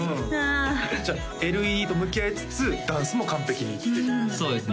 じゃあＬＥＤと向き合いつつダンスも完璧にそうですね